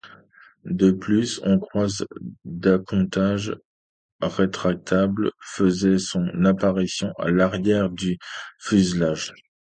De plus, une crosse d'appontage rétractable faisait son apparition à l’arrière du fuselage.